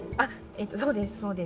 そうですそうです。